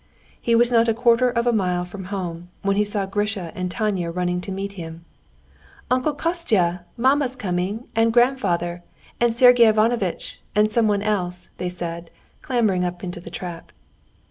He was not a quarter of a mile from home when he saw Grisha and Tanya running to meet him. "Uncle Kostya! mamma's coming, and grandfather, and Sergey Ivanovitch, and someone else," they said, clambering up into the trap.